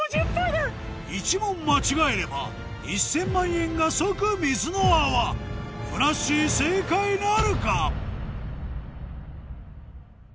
１問間違えれば１０００万円が即水の泡ふなっしー正解なるか？